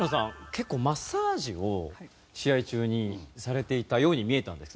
結構マッサージを試合中にされていたように見えたんです。